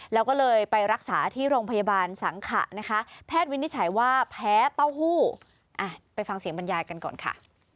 แล้วก็เลยไปรักษาที่โรงพยาบาลสังขะนะคะแพทย์วินิจฉัยว่าแพ้เต้าหู้อ่ะไปฟังเสียงบรรยายกันก่อนค่ะ